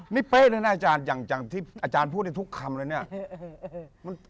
นี่เป๊ะเลยนะอาจารย์อย่างที่อาจารย์พูดได้ทุกคำเลยเนี่ย